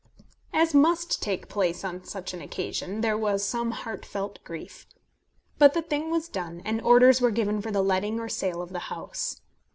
As must take place on such an occasion, there was some heart felt grief. But the thing was done, and orders were given for the letting or sale of the house.